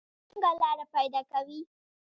مچۍ څنګه لاره پیدا کوي؟